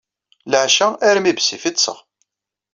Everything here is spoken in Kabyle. Leɛca, armi bessif i ṭṭseɣ.